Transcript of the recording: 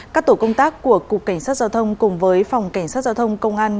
các tổ công tác của cục cảnh sát giao thông cùng với phòng cảnh sát giao thông công an